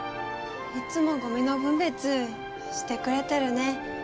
いっつもゴミの分別してくれてるね